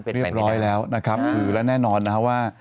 เรียบร้อยแล้วนะครับคือและแน่นอนนะครับว่า